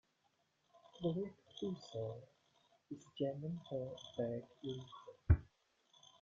The word "fusel" is German for "bad liquor".